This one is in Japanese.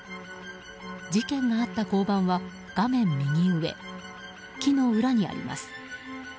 事件があった交番は画面右上木の裏らにあります。